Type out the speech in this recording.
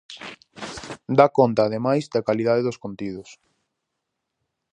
Dá conta ademais da calidade dos contidos.